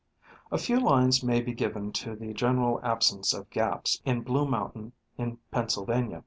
A few lines may be given to the general absence of gaps in Blue Mountain in Pennsylvania.